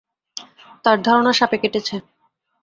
তার ধারণা, সাপে কেটেছে।